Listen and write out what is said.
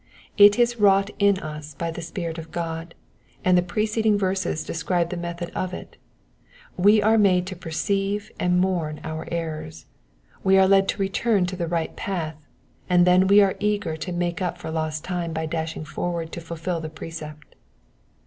It is wrought in us by the Spirit of GJod, and the preceding verses describe the method of it : we are made to perceive and mourn our errors, we are led to return to the right path, and then we are eager to make up for lost time by dashing forward to fulfil the precept.